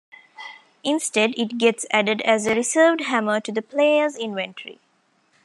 Instead, it gets added as a reserved hammer to the player's inventory.